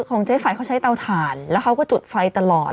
ของเจ๊ไฝเขาใช้เตาถ่านแล้วเขาก็จุดไฟตลอด